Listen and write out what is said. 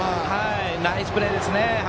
ナイスプレーですね。